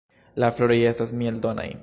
La floroj estas mieldonaj.